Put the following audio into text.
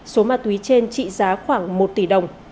số ma túy trên trị giá khoảng một tỷ đồng